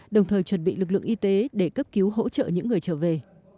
đồng thời chuẩn bị lực lượng y tế để cấp cứu hỗ trợ những người trở về